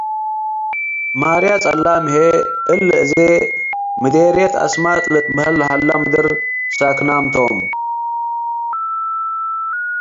ማርየ-ጸላም ህዬ፡ እሊ አዜም ምዴርየት አስማጥ ልትበሀል ለሀለ ምድር ሳክናም ቶም ።